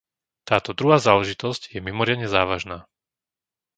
Táto druhá záležitosť je mimoriadne závažná.